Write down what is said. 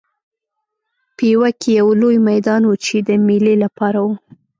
پېوه کې یو لوی میدان و چې د مېلې لپاره و.